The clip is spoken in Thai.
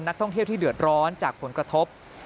นักท่องเที่ยวที่เดือดร้อนจากผลกระทบ